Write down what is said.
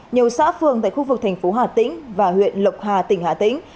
nhiều xã phường tại khu vực thành phố hà tĩnh và huyện lộc hà tỉnh hà tĩnh